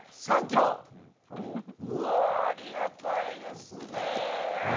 うわー、ありがたいですね。